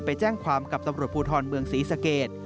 ไปแจ้งความกับตำรวจภูทรเมืองศรีสเกต